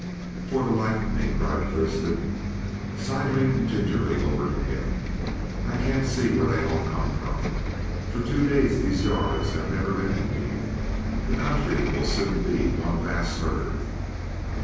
"For the life of me," cried Thurston, sidling gingerly over to him, "I can't see where they all come from. For two days these yards have never been empty. The country will soon be one vast herd."